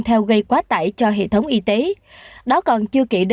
hãy theo dõi